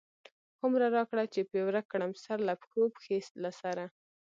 هو مره را کړه چی پی ورک کړم، سرله پښو، پښی له سره